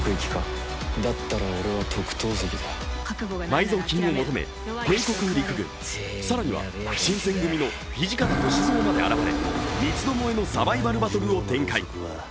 埋蔵金を求め、帝国陸軍、さらには新選組の土方歳三まで現れ、三つどもえのサバイバルバトルを展開。